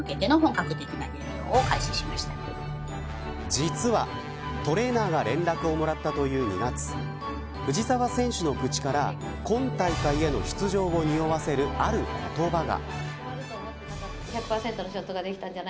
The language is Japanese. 実は、トレーナーが連絡をもらったという２月藤澤選手の口から今大会への出場をにおわせるある言葉が。